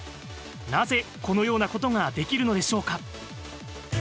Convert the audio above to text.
なぜ、このようなことができるのでしょうか。